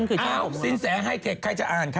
อ้าวสินแสไฮเทคใครจะอ่านคะ